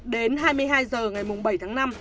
đến hai mươi hai h ngày bảy tháng năm